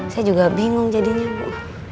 saya juga bingung jadinya bu